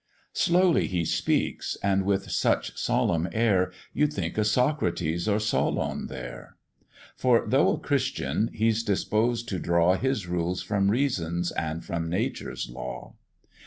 Slowly he speaks, and with such solemn air, You'd thing a Socrates or Solon there; For though a Christian, he's disposed to draw His rules from reason's and from nature's law.